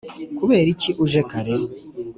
kubera iki uje kare?